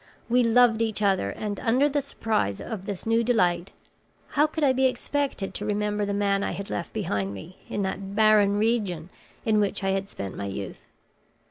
We loved each other, and under the surprise of this new delight how could I be expected to remember the man I had left behind me in that barren region in which I had spent my youth?